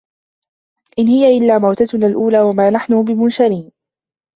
إِن هِيَ إِلّا مَوتَتُنَا الأولى وَما نَحنُ بِمُنشَرينَ